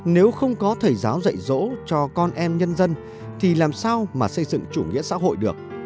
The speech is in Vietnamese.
nếu không có thầy giáo dạy dỗ cho con em nhân dân thì làm sao mà xây dựng chủ nghĩa xã hội được